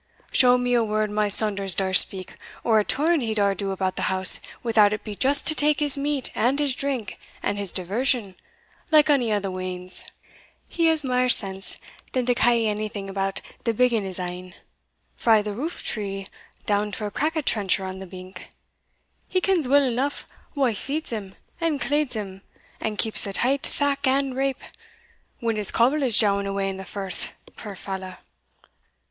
Show me a word my Saunders daur speak, or a turn he daur do about the house, without it be just to tak his meat, and his drink, and his diversion, like ony o' the weans. He has mair sense than to ca' anything about the bigging his ain, frae the rooftree down to a crackit trencher on the bink. He kens weel eneugh wha feeds him, and cleeds him, and keeps a' tight, thack and rape, when his coble is jowing awa in the Firth, puir fallow.